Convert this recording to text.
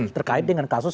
terkait dengan kasus